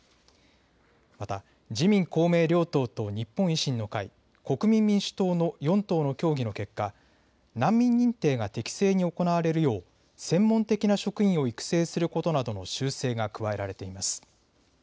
また自民公明両党と日本維新の会、国民民主党の４党の協議の結果、難民認定が適正に行われるよう専門的な職員を育成することなどの修正が加えられています。